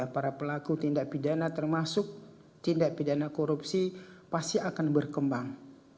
para pelaku tindak pidana termasuk tindak pidana korupsi pasti akan berkembang